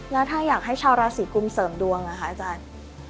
แล้วถ้าอยากให้ชาวราศีกุมเสริมดวงนะคะอาจารย์